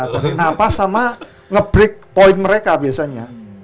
cari nafas sama nge break poin mereka biasanya